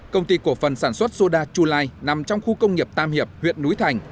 công ty cổ phần sản xuất soda chulai nằm trong khu công nghiệp tam hiệp huyện núi thành